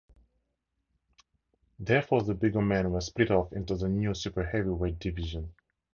Therefore, the bigger men were split off into the new super heavyweight division.